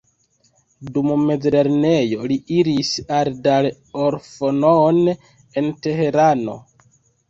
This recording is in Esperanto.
Dum mezlernejo li iris al Dar ol-Fonoon en Teherano.